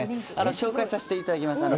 紹介させていただきます。